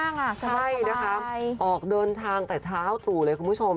ณเดชน์เป็นแบบนี้เลยใช่นะครับออกเดินทางแต่เช้าตรู่เลยคุณผู้ชม